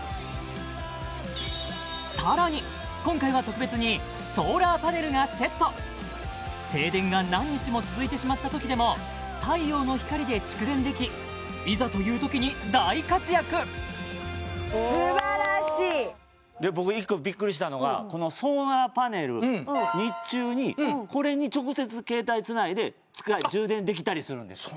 さらに今回は特別に停電が何日も続いてしまったときでも太陽の光で蓄電できいざというときに大活躍すばらしい僕一個びっくりしたのがこのソーラーパネル日中にこれに直接携帯つないで充電できたりするんです